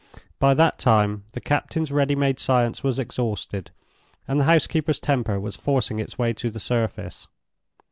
By that time the captain's ready made science was exhausted, and the housekeeper's temper was forcing its way to the surface.